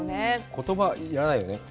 言葉いらないよね。